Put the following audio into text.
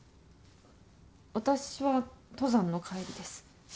私は登山の帰りです。